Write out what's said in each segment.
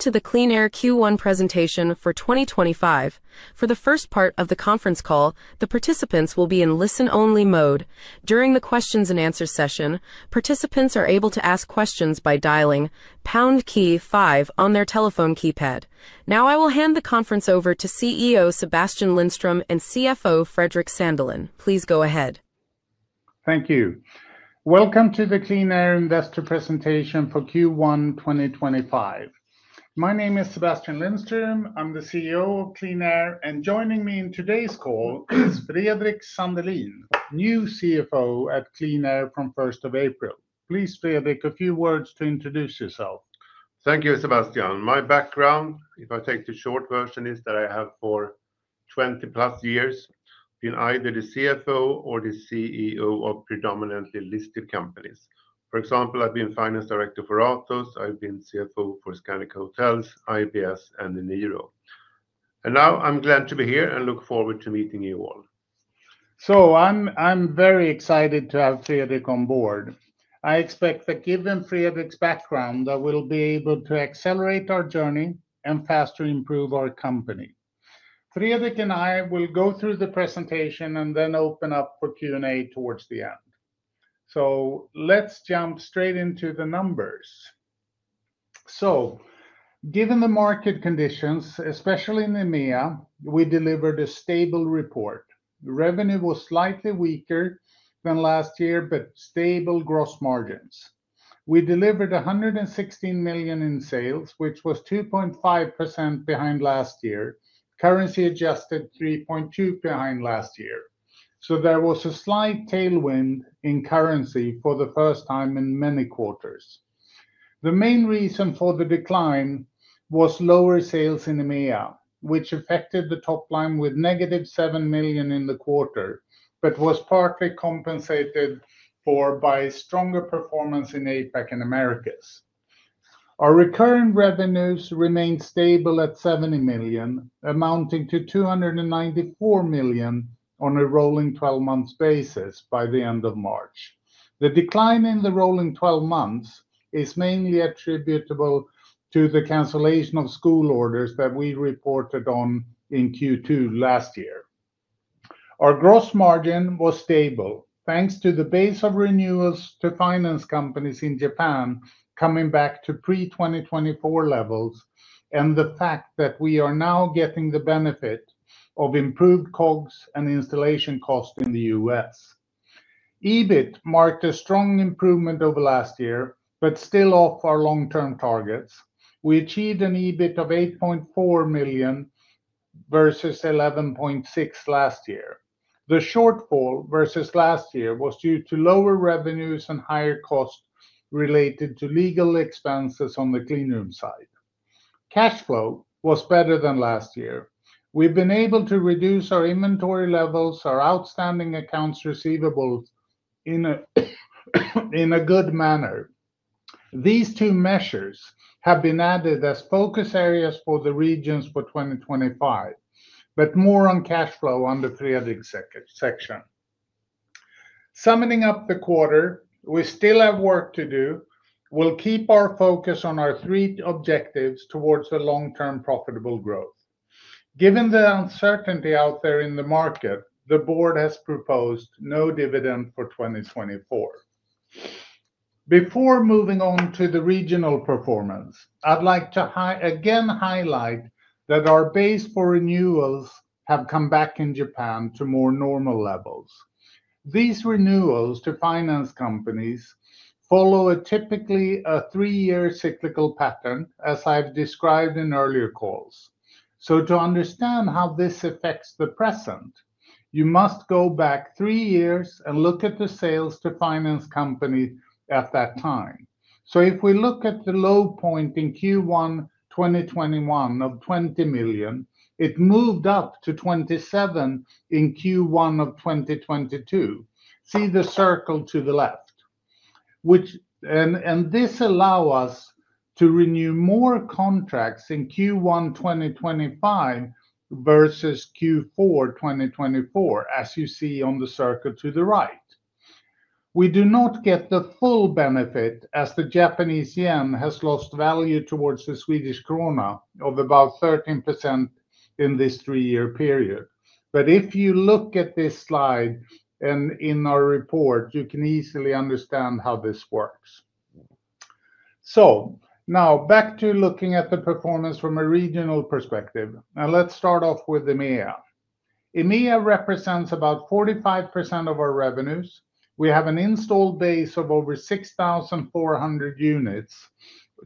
To the QleanAir Q1 Presentation for 2025. For the first part of the conference call, the participants will be in listen-only mode. During the Q&A session, participants are able to ask questions by dialing pound key five on their telephone keypad. Now, I will hand the conference over to CEO Sebastian Lindström and CFO Fredrik Sandelin. Please go ahead. Thank you. Welcome to the QleanAir Investor Presentation for Q1 2025. My name is Sebastian Lindström, I'm the CEO of QleanAir, and joining me in today's call is Fredrik Sandelin, new CFO at QleanAir from 1st of April. Please, Fredrik, a few words to introduce yourself. Thank you, Sebastian. My background, if I take the short version, is that I have for 20+ years been either the CFO or the CEO of predominantly listed companies. For example, I've been Finance Director for Atos, I've been CFO for Scandic Hotels, IBS, and Eniro. Now I'm glad to be here and look forward to meeting you all. I'm very excited to have Fredrik on board. I expect that given Fredrik's background, we'll be able to accelerate our journey and faster improve our company. Fredrik and I will go through the presentation and then open up for Q&A towards the end. Let's jump straight into the numbers. Given the market conditions, especially in EMEA, we delivered a stable report. Revenue was slightly weaker than last year, but stable gross margins. We delivered 116 million in sales, which was 2.5% behind last year, currency adjusted 3.2% behind last year. There was a slight tailwind in currency for the first time in many quarters. The main reason for the decline was lower sales in EMEA, which affected the top line with -7 million in the quarter, but was partly compensated for by stronger performance in APAC and Americas. Our recurring revenues remained stable at 70 million, amounting to 294 million on a rolling 12-month basis by the end of March. The decline in the rolling 12 months is mainly attributable to the cancellation of school orders that we reported on in Q2 last year. Our gross margin was stable, thanks to the base of renewals to finance companies in Japan coming back to pre-2024 levels, and the fact that we are now getting the benefit of improved COGS and installation costs in the U.S.. EBIT marked a strong improvement over last year, but still off our long-term targets. We achieved an EBIT of 8.4 million versus 11.6 million last year. The shortfall versus last year was due to lower revenues and higher costs related to legal expenses on the cleanroom side. Cash flow was better than last year. We've been able to reduce our inventory levels, our outstanding accounts receivable in a good manner. These two measures have been added as focus areas for the regions for 2025, but more on cash flow under Fredrik's section. Summing up the quarter, we still have work to do. We'll keep our focus on our three objectives towards the long-term profitable growth. Given the uncertainty out there in the market, the board has proposed no dividend for 2024. Before moving on to the regional performance, I'd like to again highlight that our base for renewals have come back in Japan to more normal levels. These renewals to finance companies follow a typically three-year cyclical pattern, as I've described in earlier calls. To understand how this affects the present, you must go back three years and look at the sales to finance companies at that time. If we look at the low point in Q1 2021 of 20 million, it moved up to 27 million in Q1 2022. See the circle to the left, which allows us to renew more contracts in Q1 2025 versus Q4 2024, as you see on the circle to the right. We do not get the full benefit, as the Japanese yen has lost value towards the Swedish krona of about 13% in this three-year period. If you look at this slide and in our report, you can easily understand how this works. Now back to looking at the performance from a regional perspective. Let's start off with EMEA. EMEA represents about 45% of our revenues. We have an installed base of over 6,400 units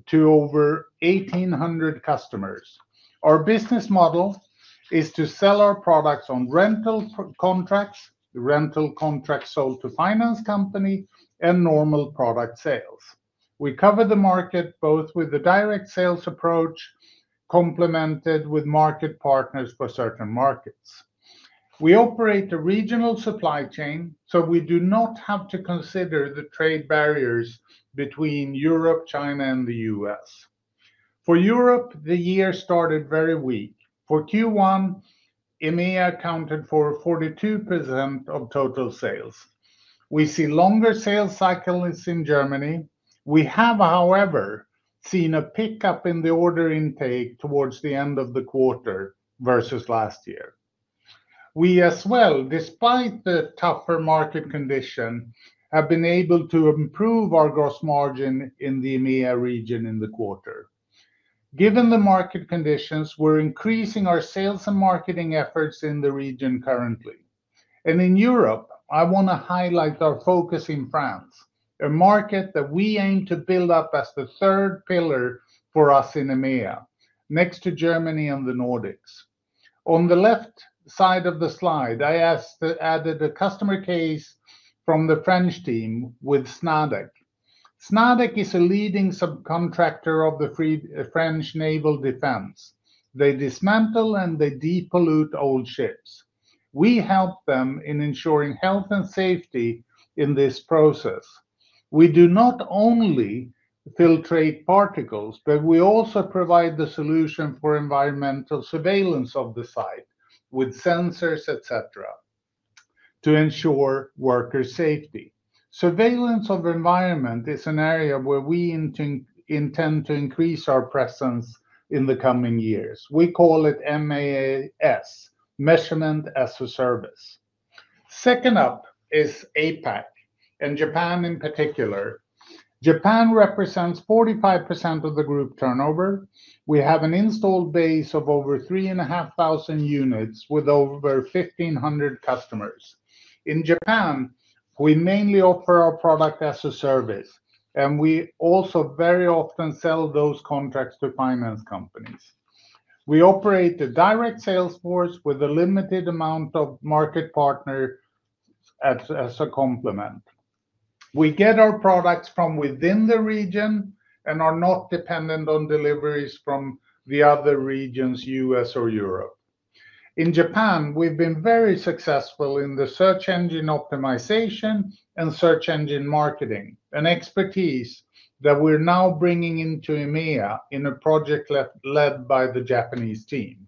to over 1,800 customers. Our business model is to sell our products on rental contracts, rental contracts sold to finance companies, and normal product sales. We cover the market both with the direct sales approach complemented with market partners for certain markets. We operate a regional supply chain, so we do not have to consider the trade barriers between Europe, China, and the U.S.. For Europe, the year started very weak. For Q1, EMEA accounted for 42% of total sales. We see longer sales cycles in Germany. We have, however, seen a pickup in the order intake towards the end of the quarter versus last year. We as well, despite the tougher market condition, have been able to improve our gross margin in the EMEA region in the quarter. Given the market conditions, we're increasing our sales and marketing efforts in the region currently. In Europe, I want to highlight our focus in France, a market that we aim to build up as the third pillar for us in EMEA, next to Germany and the Nordics. On the left side of the slide, I added a customer case from the French team with SNADEC. SNADEC is a leading subcontractor of the French naval defense. They dismantle and they depollute old ships. We help them in ensuring health and safety in this process. We do not only filtrate particles, but we also provide the solution for environmental surveillance of the site with sensors, etc., to ensure worker safety. Surveillance of the environment is an area where we intend to increase our presence in the coming years. We call it MAAS, Measurement as a Service. Second up is APAC, and Japan in particular. Japan represents 45% of the group turnover. We have an installed base of over 3,500 units with over 1,500 customers. In Japan, we mainly offer our product as a service, and we also very often sell those contracts to finance companies. We operate a direct sales force with a limited amount of market partners as a complement. We get our products from within the region and are not dependent on deliveries from the other regions, U.S. or Europe. In Japan, we've been very successful in the search engine optimization and search engine marketing, an expertise that we're now bringing into EMEA in a project led by the Japanese team.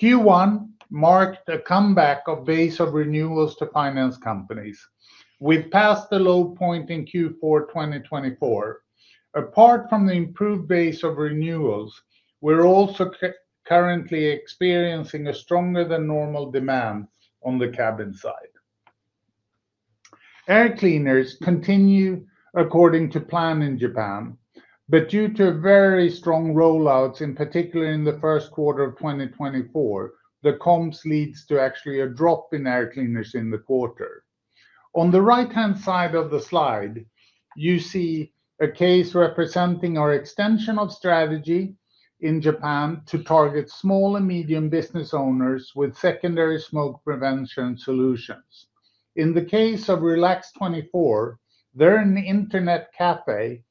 Q1 marked a comeback of base of renewals to finance companies. We've passed the low point in Q4 2024. Apart from the improved base of renewals, we're also currently experiencing a stronger than normal demand on the cabin side. Air cleaners continue according to plan in Japan, but due to very strong rollouts, in particular in the first quarter of 2024, the comps leads to actually a drop in air cleaners in the quarter. On the right-hand side of the slide, you see a case representing our extension of strategy in Japan to target small and medium business owners with secondary smoke prevention solutions. In the case of Relax 24, they're an internet cafe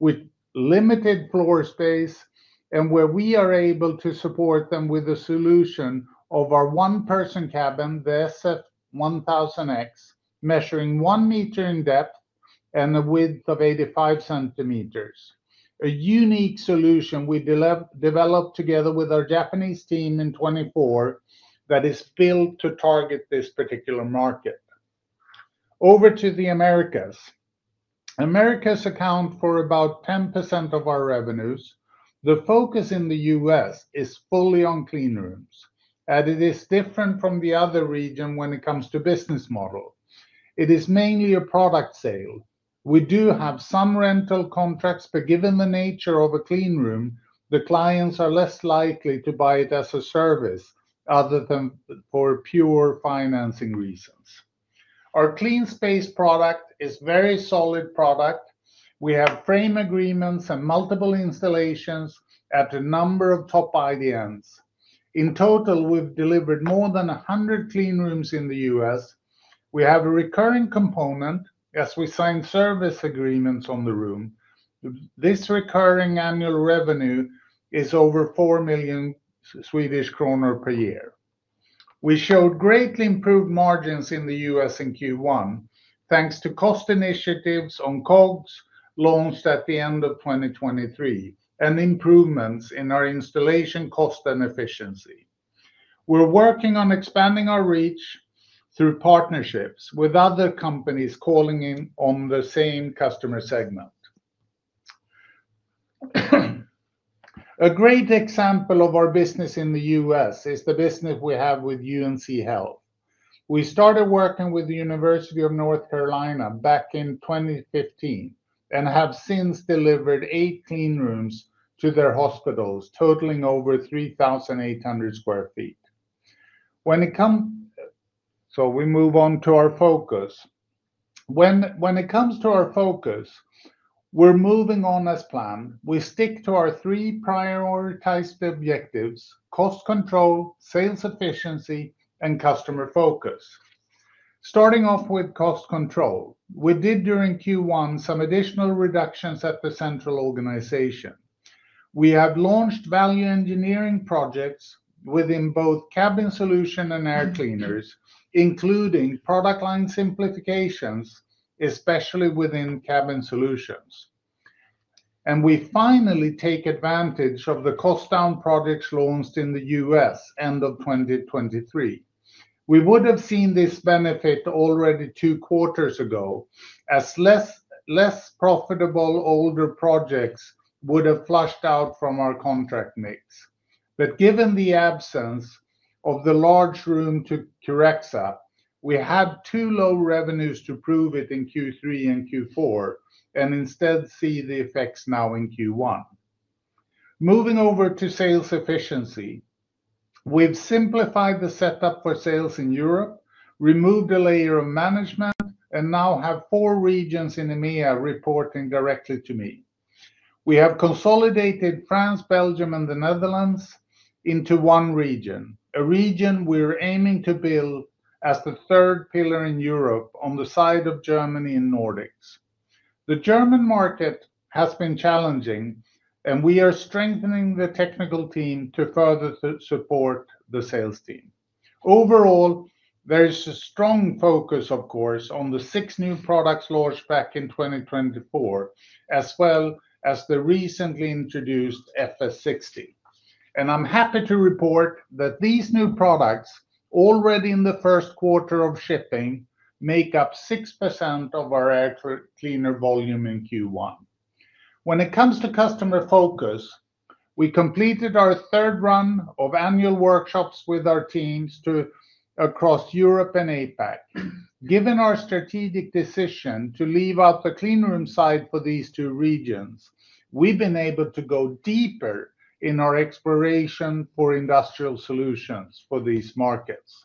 with limited floor space and where we are able to support them with a solution of our one-person cabin, the SF 1000X, measuring 1 m in depth and a width of 85 cm. A unique solution we developed together with our Japanese team in 2024 that is built to target this particular market. Over to the Americas. Americas account for about 10% of our revenues. The focus in the U.S. is fully on cleanrooms, and it is different from the other region when it comes to business model. It is mainly a product sale. We do have some rental contracts, but given the nature of a cleanroom, the clients are less likely to buy it as a service other than for pure financing reasons. Our clean space product is a very solid product. We have frame agreements and multiple installations at a number of top IDNs. In total, we have delivered more than 100 cleanrooms in the U.S.. We have a recurring component as we sign service agreements on the room. This recurring annual revenue is over 4 million Swedish kronor per year. We showed greatly improved margins in the U.S. in Q1, thanks to cost initiatives on COGS launched at the end of 2023 and improvements in our installation cost and efficiency. We're working on expanding our reach through partnerships with other companies calling in on the same customer segment. A great example of our business in the U.S. is the business we have with UNC Health. We started working with the University of North Carolina back in 2015 and have since delivered 18 rooms to their hospitals, totaling over 3,800 sq ft. When it comes to our focus, we're moving on as planned. We stick to our three prioritized objectives: cost control, sales efficiency, and customer focus. Starting off with cost control, we did during Q1 some additional reductions at the central organization. We have launched value engineering projects within both cabin solutions and air cleaners, including product line simplifications, especially within cabin solutions. We finally take advantage of the cost-down projects launched in the U.S. end of 2023. We would have seen this benefit already two quarters ago as less profitable older projects would have flushed out from our contract mix. Given the absence of the large room to Kurexa, we had too low revenues to prove it in Q3 and Q4 and instead see the effects now in Q1. Moving over to sales efficiency, we've simplified the setup for sales in Europe, removed a layer of management, and now have four regions in EMEA reporting directly to me. We have consolidated France, Belgium, and the Netherlands into one region, a region we're aiming to build as the third pillar in Europe on the side of Germany and Nordics. The German market has been challenging, and we are strengthening the technical team to further support the sales team. Overall, there is a strong focus, of course, on the six new products launched back in 2024, as well as the recently introduced FS 60. I am happy to report that these new products, already in the first quarter of shipping, make up 6% of our air cleaner volume in Q1. When it comes to customer focus, we completed our third run of annual workshops with our teams across Europe and APAC. Given our strategic decision to leave out the cleanroom side for these two regions, we have been able to go deeper in our exploration for industrial solutions for these markets.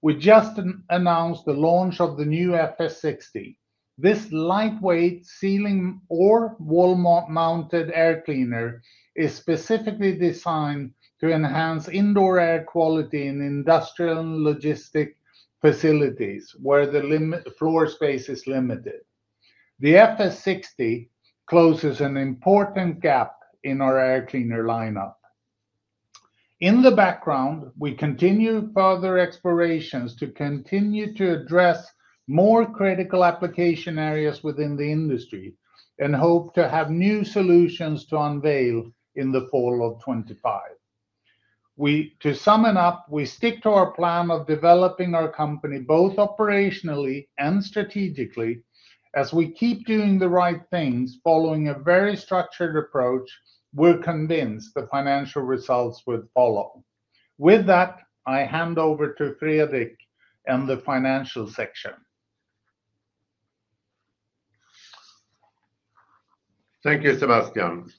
We just announced the launch of the new FS 60. This lightweight ceiling or wall-mounted air cleaner is specifically designed to enhance indoor air quality in industrial and logistic facilities where the floor space is limited. The FS 60 closes an important gap in our air cleaner lineup. In the background, we continue further explorations to continue to address more critical application areas within the industry and hope to have new solutions to unveil in the fall of 2025. To sum it up, we stick to our plan of developing our company both operationally and strategically. As we keep doing the right things following a very structured approach, we're convinced the financial results will follow. With that, I hand over to Fredrik and the financial section. Thank you, Sebastian.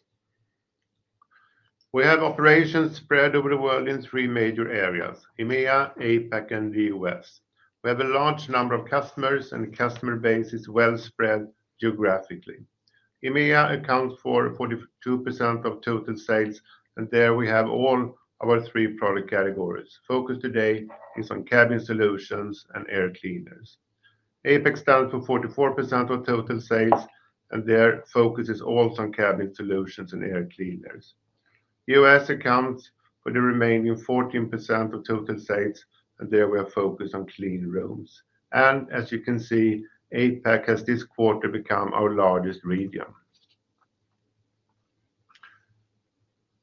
We have operations spread over the world in three major areas: EMEA, APAC, and the U.S.. We have a large number of customers, and the customer base is well spread geographically. EMEA accounts for 42% of total sales, and there we have all our three product categories. Focus today is on cabin solutions and air cleaners. APAC stands for 44% of total sales, and their focus is also on cabin solutions and air cleaners. U.S. accounts for the remaining 14% of total sales, and there we are focused on cleanrooms. As you can see, APAC has this quarter become our largest region.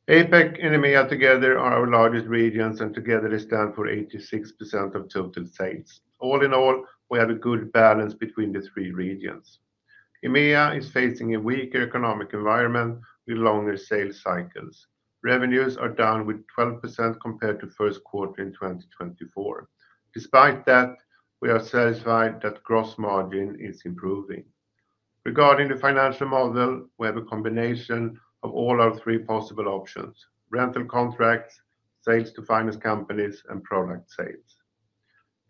APAC and EMEA together are our largest regions, and together they stand for 86% of total sales. All in all, we have a good balance between the three regions. EMEA is facing a weaker economic environment with longer sales cycles. Revenues are down 12% compared to first quarter in 2024. Despite that, we are satisfied that gross margin is improving. Regarding the financial model, we have a combination of all our three possible options: rental contracts, sales to finance companies, and product sales.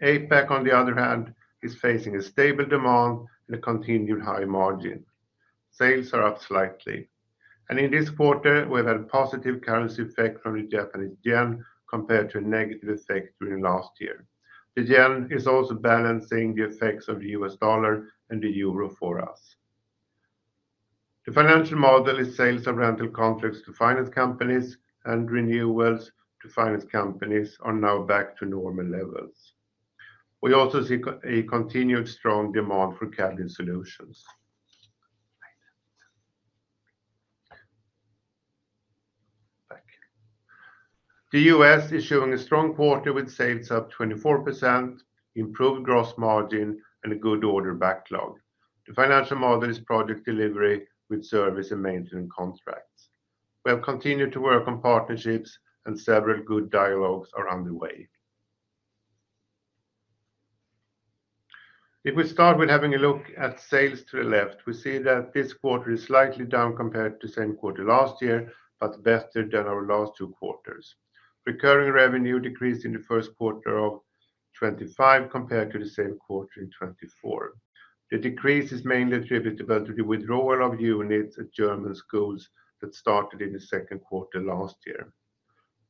APAC, on the other hand, is facing a stable demand and a continued high margin. Sales are up slightly. In this quarter, we've had a positive currency effect from the Japanese yen compared to a negative effect during last year. The yen is also balancing the effects of the US dollar and the euro for us. The financial model is sales of rental contracts to finance companies, and renewals to finance companies are now back to normal levels. We also see a continued strong demand for cabin solutions. The U.S. is showing a strong quarter with sales up 24%, improved gross margin, and a good order backlog. The financial model is project delivery with service and maintenance contracts. We have continued to work on partnerships, and several good dialogues are underway. If we start with having a look at sales to the left, we see that this quarter is slightly down compared to the same quarter last year, but better than our last two quarters. Recurring revenue decreased in the first quarter of 2025 compared to the same quarter in 2024. The decrease is mainly attributable to the withdrawal of units at German schools that started in the second quarter last year.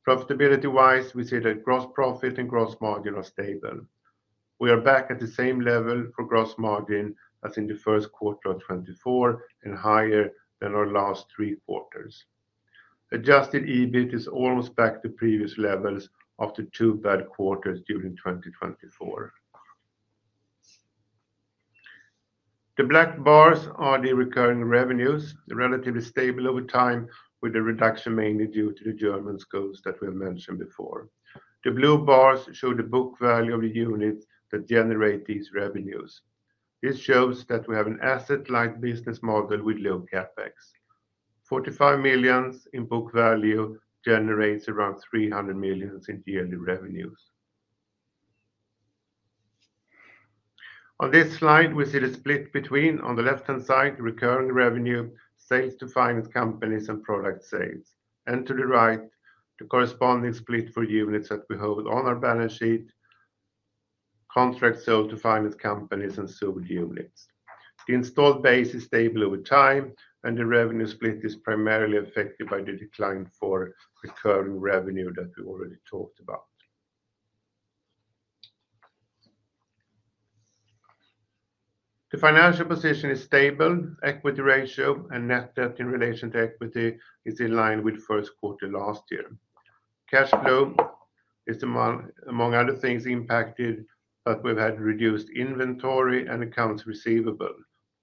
Profitability-wise, we see that gross profit and gross margin are stable. We are back at the same level for gross margin as in the first quarter of 2024 and higher than our last three quarters. Adjusted EBIT is almost back to previous levels after two bad quarters during 2024. The black bars are the recurring revenues, relatively stable over time with the reduction mainly due to the German schools that we have mentioned before. The blue bars show the book value of the units that generate these revenues. This shows that we have an asset-light business model with low CapEx. 45 million in book value generates around 300 million in yearly revenues. On this slide, we see the split between on the left-hand side, recurring revenue, sales to finance companies, and product sales. To the right, the corresponding split for units that we hold on our balance sheet, contracts sold to finance companies, and sold units. The installed base is stable over time, and the revenue split is primarily affected by the decline for recurring revenue that we already talked about. The financial position is stable. Equity ratio and net debt in relation to equity is in line with first quarter last year. Cash flow is, among other things, impacted, but we've had reduced inventory and accounts receivable,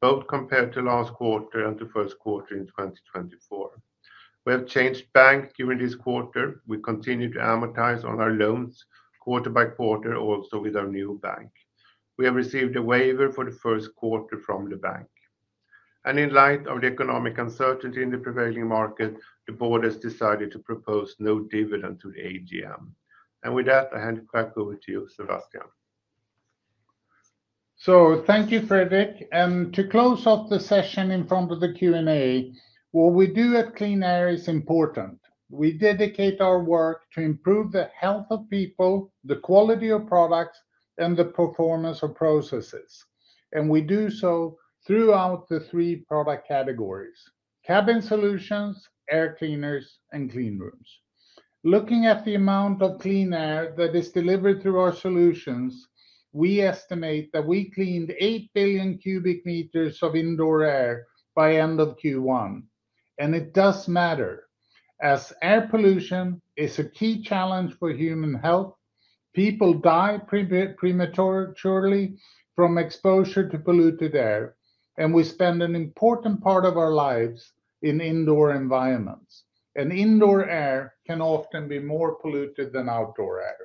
both compared to last quarter and to first quarter in 2024. We have changed bank during this quarter. We continue to amortize on our loans quarter by quarter, also with our new bank. We have received a waiver for the first quarter from the bank. In light of the economic uncertainty in the prevailing market, the board has decided to propose no dividend to the AGM. With that, I hand it back over to you, Sebastian. Thank you, Fredrik. To close off the session in front of the Q&A, what we do at QleanAir is important. We dedicate our work to improve the health of people, the quality of products, and the performance of processes. We do so throughout the three product categories: cabin solutions, air cleaners, and cleanrooms. Looking at the amount of clean air that is delivered through our solutions, we estimate that we cleaned 8 billion cubic m of indoor air by end of Q1. It does matter. As air pollution is a key challenge for human health, people die prematurely from exposure to polluted air, and we spend an important part of our lives in indoor environments. Indoor air can often be more polluted than outdoor air.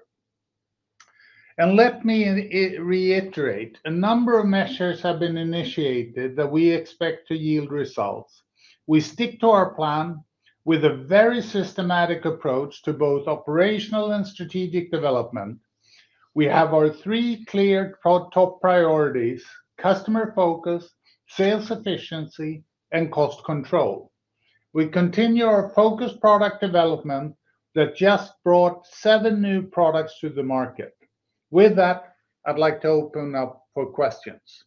Let me reiterate, a number of measures have been initiated that we expect to yield results. We stick to our plan with a very systematic approach to both operational and strategic development. We have our three clear top priorities: customer focus, sales efficiency, and cost control. We continue our focused product development that just brought seven new products to the market. With that, I'd like to open up for questions.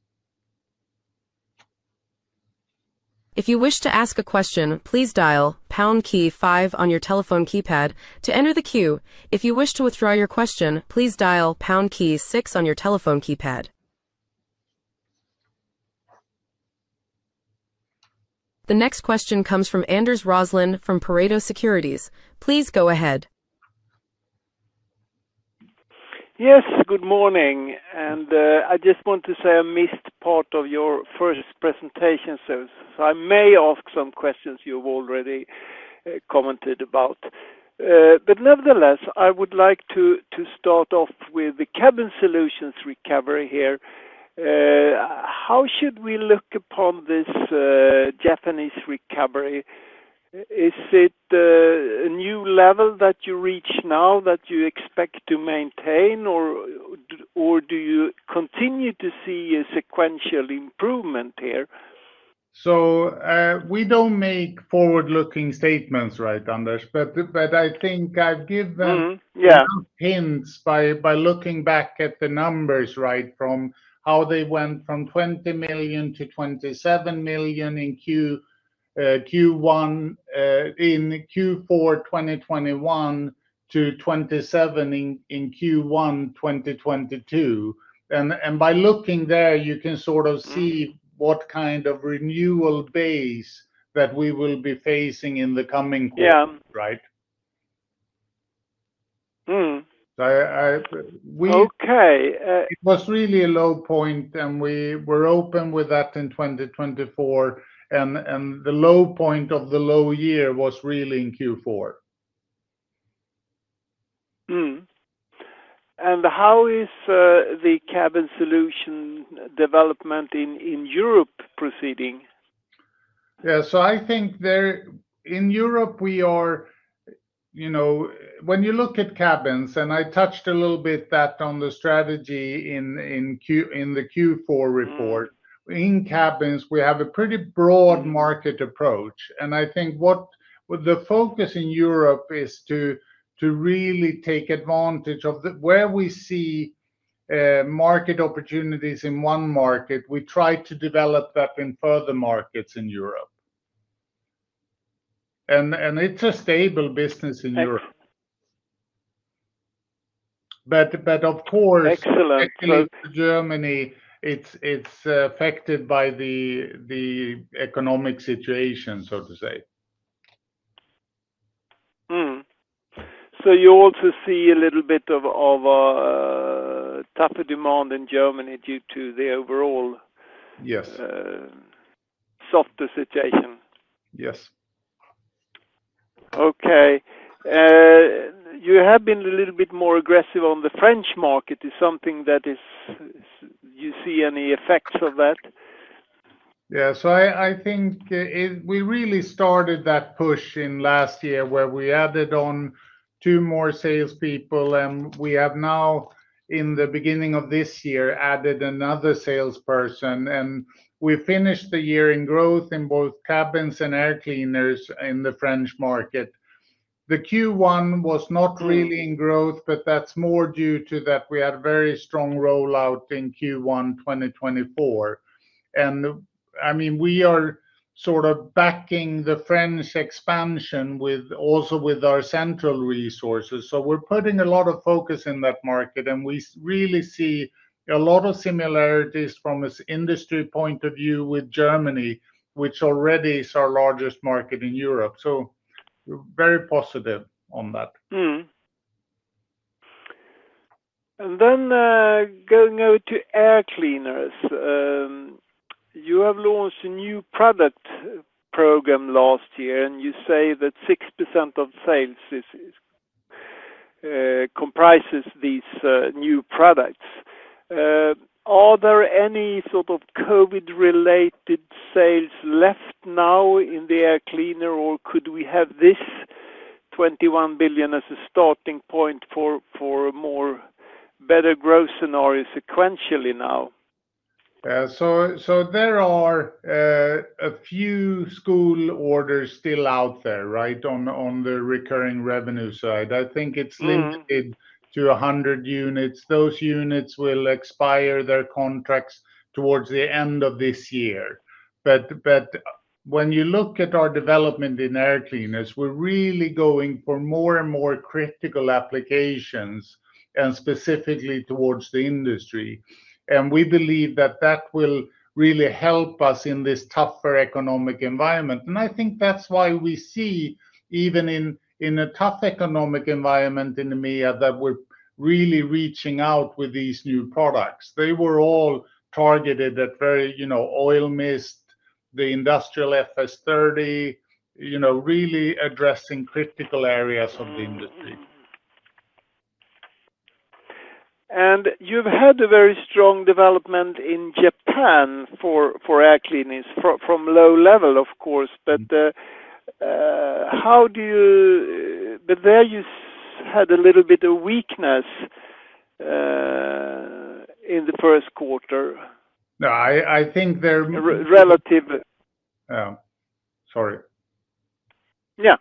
If you wish to ask a question, please dial pound key five on your telephone keypad to enter the queue. If you wish to withdraw your question, please dial pound key six on your telephone keypad. The next question comes from Anders Roslund from Pareto Securities. Please go ahead. Yes, good morning. I just want to say I missed part of your first presentation, so I may ask some questions you have already commented about. Nevertheless, I would like to start off with the cabin solutions recovery here. How should we look upon this Japanese recovery? Is it a new level that you reach now that you expect to maintain, or do you continue to see a sequential improvement here? We do not make forward-looking statements, right, Anders? I think I've given some hints by looking back at the numbers, right, from how they went from 20 million to 27 million in Q1 in Q4 2021 to 27 million in Q1 2022. By looking there, you can sort of see what kind of renewal base that we will be facing in the coming quarter, right? Okay. It was really a low point, and we were open with that in 2024. The low point of the low year was really in Q4. How is the cabin solution development in Europe proceeding? Yeah. I think in Europe, when you look at cabins, and I touched a little bit on the strategy in the Q4 report, in cabins, we have a pretty broad market approach. I think the focus in Europe is to really take advantage of where we see market opportunities in one market. We try to develop that in further markets in Europe. It is a stable business in Europe. Of course, Germany is affected by the economic situation, so to say. You also see a little bit of tougher demand in Germany due to the overall softer situation? Yes. You have been a little bit more aggressive on the French market. Is that something that you see any effects of? Yeah. I think we really started that push last year where we added on two more salespeople, and we have now, in the beginning of this year, added another salesperson. We finished the year in growth in both cabins and air cleaners in the French market. The Q1 was not really in growth, but that's more due to that we had a very strong rollout in Q1 2024. I mean, we are sort of backing the French expansion also with our central resources. We are putting a lot of focus in that market, and we really see a lot of similarities from an industry point of view with Germany, which already is our largest market in Europe. We are very positive on that. Going over to air cleaners, you have launched a new product program last year, and you say that 6% of sales comprises these new products. Are there any sort of COVID-related sales left now in the air cleaner, or could we have this 21 billion as a starting point for a better growth scenario sequentially now? There are a few school orders still out there, right, on the recurring revenue side. I think it's limited to 100 units. Those units will expire their contracts towards the end of this year. When you look at our development in air cleaners, we're really going for more and more critical applications and specifically towards the industry. We believe that that will really help us in this tougher economic environment. I think that's why we see, even in a tough economic environment in EMEA, that we're really reaching out with these new products. They were all targeted at very oil mist, the industrial FS 30, really addressing critical areas of the industry. You've had a very strong development in Japan for air cleaners from low level, of course. There you had a little bit of weakness in the first quarter. No, I think they're relative. Yeah. Sorry. Yeah.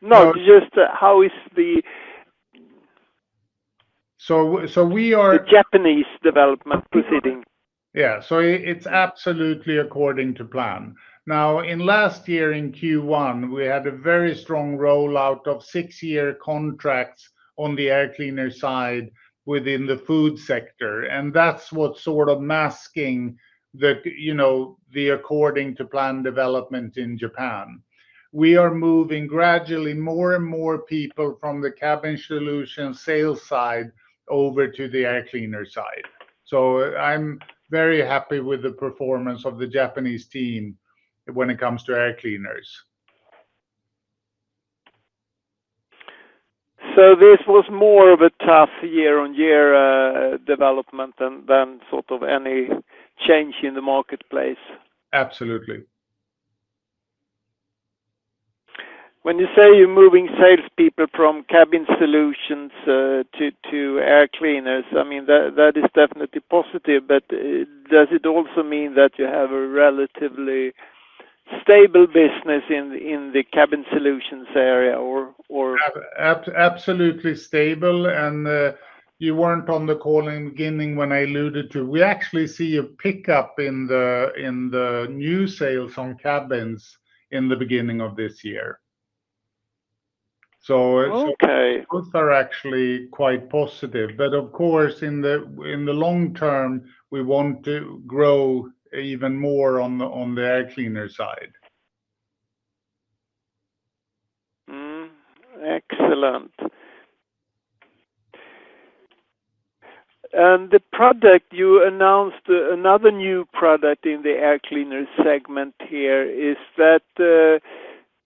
No, just how is the. So we are. The Japanese development proceeding. Yeah. So it's absolutely according to plan. Now, in last year in Q1, we had a very strong rollout of six-year contracts on the air cleaner side within the food sector. And that's what's sort of masking the according-to-plan development in Japan. We are moving gradually more and more people from the cabin solution sales side over to the air cleaner side. So I'm very happy with the performance of the Japanese team when it comes to air cleaners. This was more of a tough year-on-year development than sort of any change in the marketplace? Absolutely. When you say you're moving salespeople from cabin solutions to air cleaners, I mean, that is definitely positive. Does it also mean that you have a relatively stable business in the cabin solutions area, or? Absolutely stable. You were not on the call in the beginning when I alluded to we actually see a pickup in the new sales on cabins in the beginning of this year. Both are actually quite positive. Of course, in the long term, we want to grow even more on the air cleaner side. Excellent. The product you announced, another new product in the air cleaner segment here, is that the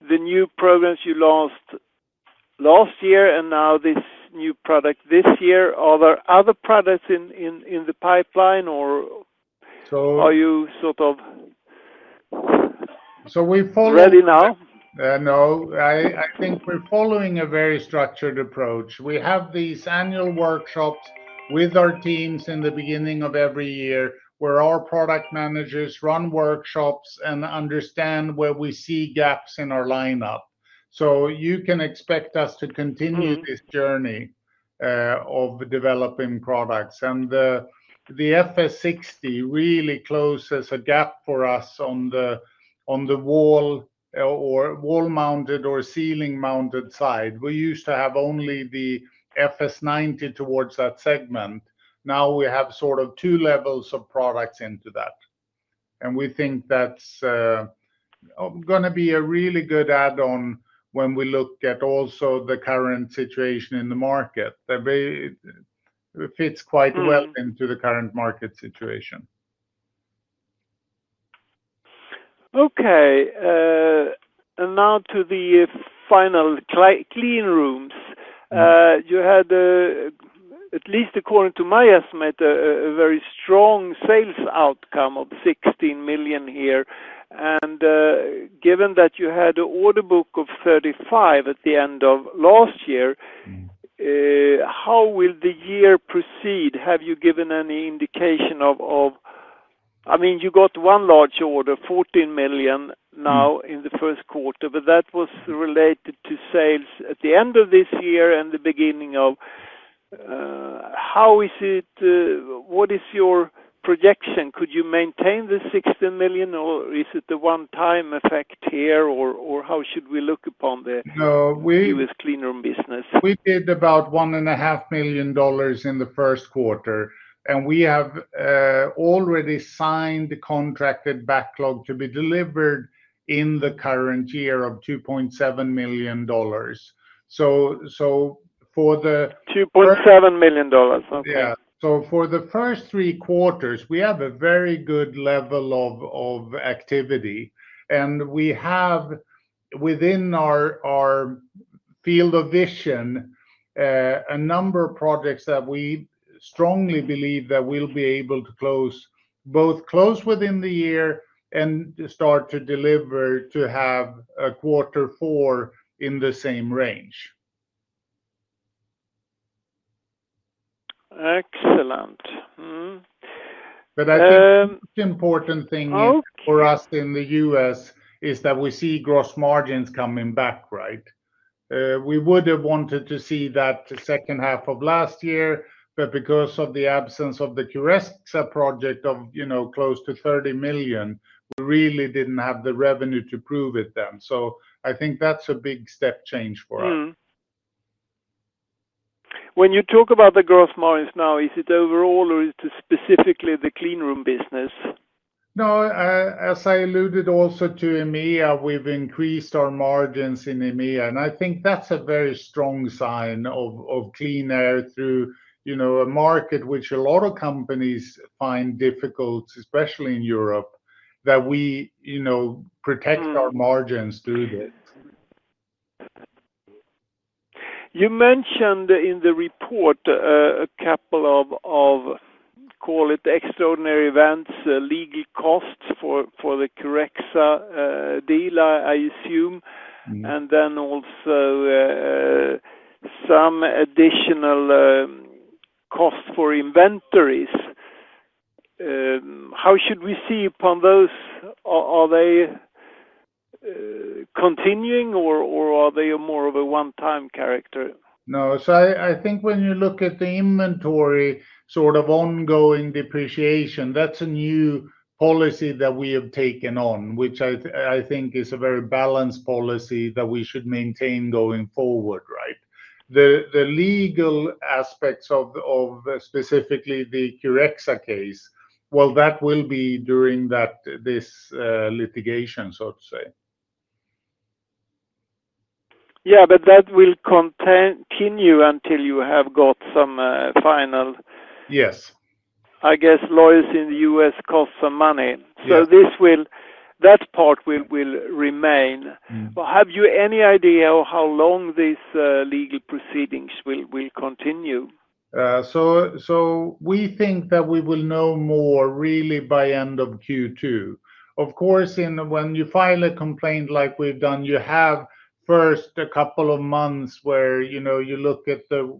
new programs you launched last year and now this new product this year, are there other products in the pipeline, or are you sort of ready now? No. I think we are following a very structured approach. We have these annual workshops with our teams in the beginning of every year where our product managers run workshops and understand where we see gaps in our lineup. You can expect us to continue this journey of developing products. The FS 60 really closes a gap for us on the wall-mounted or ceiling-mounted side. We used to have only the FS 90 towards that segment. Now we have sort of two levels of products into that. We think that is going to be a really good add-on when we look at also the current situation in the market. It fits quite well into the current market situation. Okay. Now to the final cleanrooms. You had, at least according to my estimate, a very strong sales outcome of 16 million here. Given that you had an order book of 35 at the end of last year, how will the year proceed? Have you given any indication of, I mean, you got one large order, 14 million now in the first quarter, but that was related to sales at the end of this year and the beginning of—how is it, what is your projection? Could you maintain the 16 million, or is it the one-time effect here, or how should we look upon the U.S. cleanroom business? We did about $1.5 million in the first quarter. We have already signed the contracted backlog to be delivered in the current year of $2.7 million. $2.7 million. Okay. For the first three quarters, we have a very good level of activity. We have, within our field of vision, a number of projects that we strongly believe that we'll be able to close, both close within the year and start to deliver to have a quarter four in the same range. Excellent. I think the most important thing for us in the U.S. is that we see gross margins coming back, right? We would have wanted to see that the second half of last year, but because of the absence of the Curexa project of close to 30 million, we really did not have the revenue to prove it then. I think that is a big step change for us. When you talk about the gross margins now, is it overall, or is it specifically the cleanroom business? No, as I alluded also to EMEA, we have increased our margins in EMEA. I think that's a very strong sign of QleanAir through a market which a lot of companies find difficult, especially in Europe, that we protect our margins through this. You mentioned in the report a couple of, call it extraordinary events, legal costs for the Curexa dealer, I assume, and then also some additional costs for inventories. How should we see upon those? Are they continuing, or are they more of a one-time character? No. I think when you look at the inventory sort of ongoing depreciation, that's a new policy that we have taken on, which I think is a very balanced policy that we should maintain going forward, right? The legal aspects of specifically the Curexa case, that will be during this litigation, so to say. Yeah. That will continue until you have got some final, I guess, lawyers in the U.S. cost some money. That part will remain. Have you any idea of how long these legal proceedings will continue? We think that we will know more really by end of Q2. Of course, when you file a complaint like we have done, you have first a couple of months where you look at the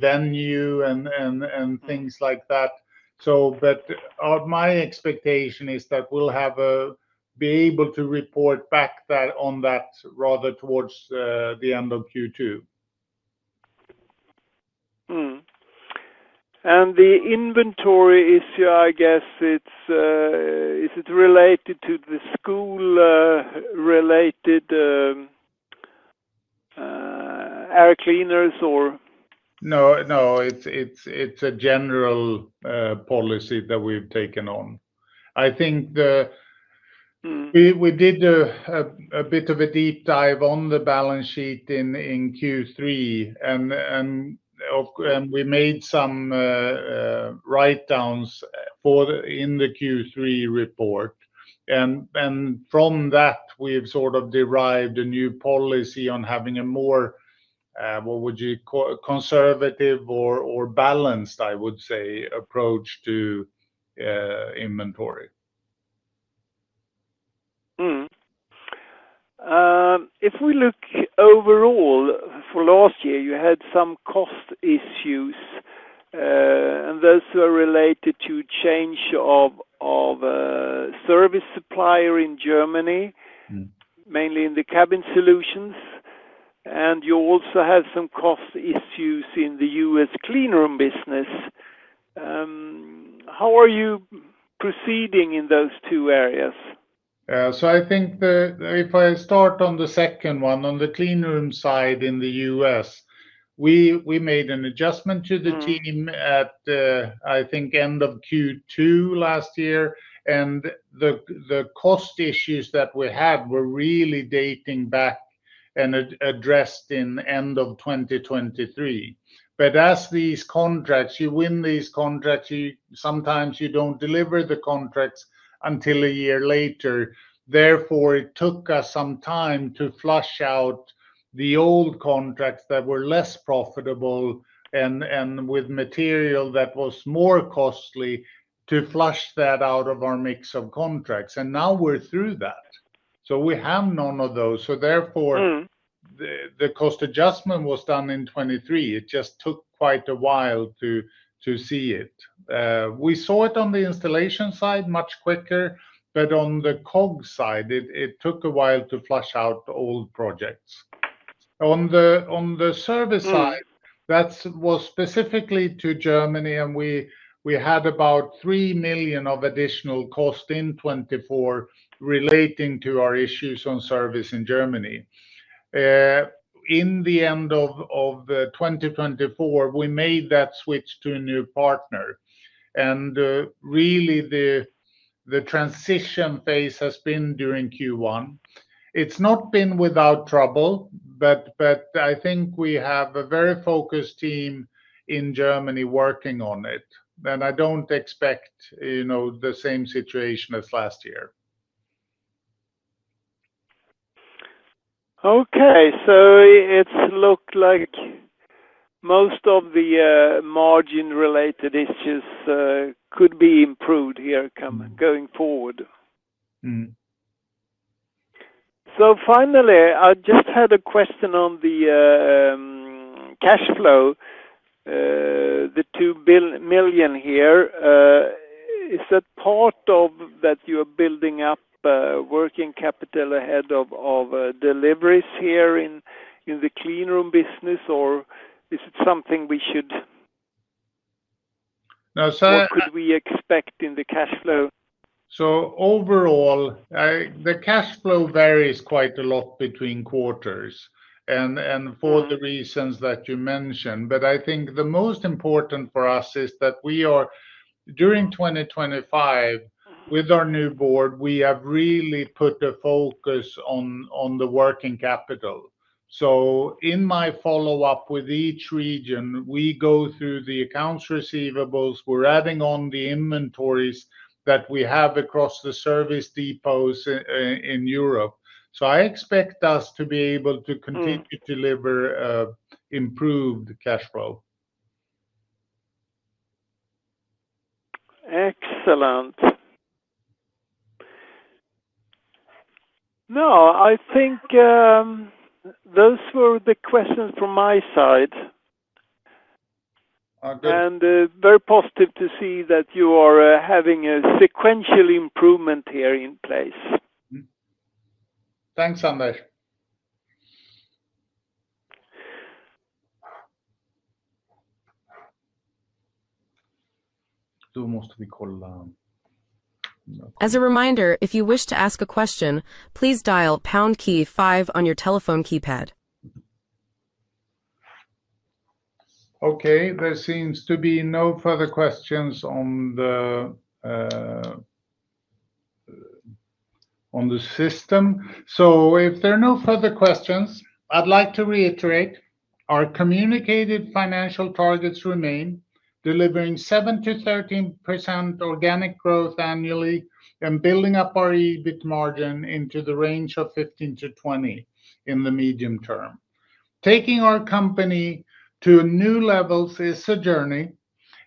venue and things like that. My expectation is that we will be able to report back on that rather towards the end of Q2. The inventory issue, I guess, is it related to the school-related air cleaners, or? No, no. It is a general policy that we have taken on. I think we did a bit of a deep dive on the balance sheet in Q3, and we made some write-downs in the Q3 report. From that, we've sort of derived a new policy on having a more, what would you call, conservative or balanced, I would say, approach to inventory. If we look overall, for last year, you had some cost issues, and those were related to change of service supplier in Germany, mainly in the cabin solutions. You also had some cost issues in the U.S. cleanroom business. How are you proceeding in those two areas? I think that if I start on the second one, on the cleanroom side in the U.S., we made an adjustment to the team at, I think, end of Q2 last year. The cost issues that we had were really dating back and addressed in end of 2023. As these contracts, you win these contracts, sometimes you do not deliver the contracts until a year later. Therefore, it took us some time to flush out the old contracts that were less profitable and with material that was more costly to flush that out of our mix of contracts. Now we're through that. We have none of those. Therefore, the cost adjustment was done in 2023. It just took quite a while to see it. We saw it on the installation side much quicker, but on the COGS side, it took a while to flush out old projects. On the service side, that was specifically to Germany, and we had about 3 million of additional cost in 2024 relating to our issues on service in Germany. In the end of 2024, we made that switch to a new partner. Really, the transition phase has been during Q1. It's not been without trouble, but I think we have a very focused team in Germany working on it. I don't expect the same situation as last year. Okay. It looks like most of the margin-related issues could be improved here going forward. Finally, I just had a question on the cash flow, the 2 million here. Is that part of that you are building up working capital ahead of deliveries here in the cleanroom business, or is it something we should— No. What could we expect in the cash flow? Overall, the cash flow varies quite a lot between quarters and for the reasons that you mentioned. I think the most important for us is that during 2025, with our new board, we have really put a focus on the working capital. In my follow-up with each region, we go through the accounts receivables. We're adding on the inventories that we have across the service depots in Europe. I expect us to be able to continue to deliver improved cash flow. Excellent. I think those were the questions from my side. Very positive to see that you are having a sequential improvement here in place. Thanks, Anders. Do mostly call. As a reminder, if you wish to ask a question, please dial pound key five on your telephone keypad. There seems to be no further questions on the system. If there are no further questions, I'd like to reiterate our communicated financial targets remain: delivering 7%-13% organic growth annually and building up our EBIT margin into the range of 15%-20% in the medium term. Taking our company to new levels is a journey.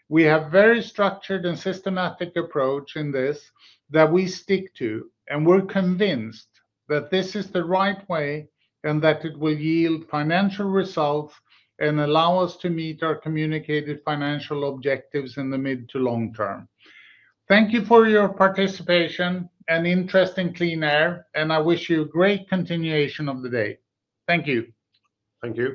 We have a very structured and systematic approach in this that we stick to, and we're convinced that this is the right way and that it will yield financial results and allow us to meet our communicated financial objectives in the mid to long term. Thank you for your participation and interest in QleanAir, and I wish you a great continuation of the day. Thank you. Thank you.